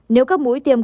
nếu các mũi tiêm cầm